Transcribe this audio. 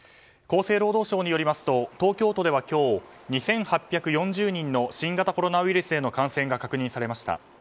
厚生労働省によりますと東京都では今日２８４０人の新型コロナウイルスへの感染が確認されました。